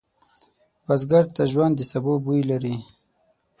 بزګر ته ژوند د سبو بوی لري